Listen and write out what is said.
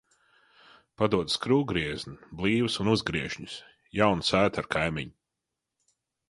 Padod skrūvgriezni, blīves un uzgriežņus! Jauna sēta ar kaimiņu.